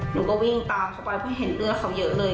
หนูก็วิ่งตามเขาไปเพราะเห็นเอื้อเขาเยอะเลย